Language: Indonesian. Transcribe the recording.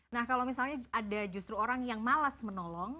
nah kalau misalnya ada justru orang yang malas menolong